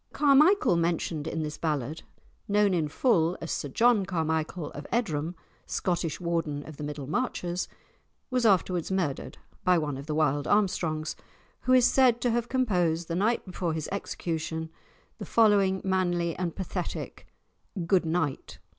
The Carmichael mentioned in this ballad, known in full as Sir John Carmichael of Edrom, Scottish Warden of the Middle Marches, was afterwards murdered by one of the wild Armstrongs, who is said to have composed, the night before his execution, the following manly and pathetic "Good night."